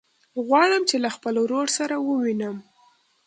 غواړم چې له خپل ورور سره ووينم.